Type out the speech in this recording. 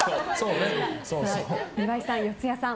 岩井さん、四谷さん